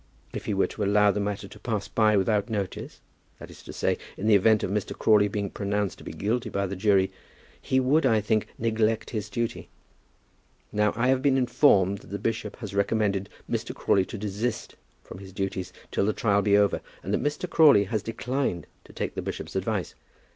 If he were to allow the matter to pass by without notice, that is to say, in the event of Mr. Crawley being pronounced to be guilty by a jury, he would, I think, neglect his duty. Now, I have been informed that the bishop has recommended Mr. Crawley to desist from his duties till the trial be over, and that Mr. Crawley has declined to take the bishop's advice."